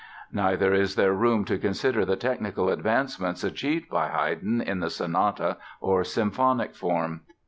Neither is there room to consider the technical advancements achieved by Haydn in the sonata or symphonic form.